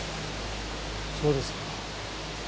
そうですか。